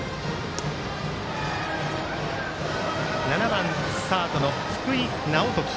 ７番サードの福井直睦。